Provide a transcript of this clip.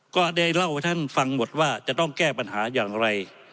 ก็ได้เล่าให้ท่านฟังหมดว่าจะต้องแก้ปัญหาอย่างไร